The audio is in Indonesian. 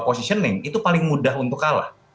positioning itu paling mudah untuk kalah